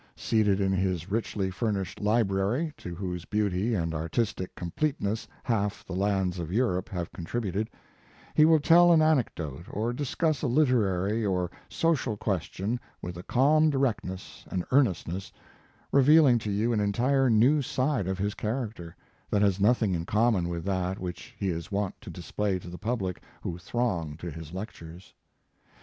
Seated in his richly furnished library, to whose beauty and artistic completeness half the lands of Europe have contributed, he will tell an anecdote or discuss a literary or social question with a calm directness and earnestness, revealing to you an entirely new side of his character, that has nothing in common with that which he is wont to display to the public who throng to his lectures.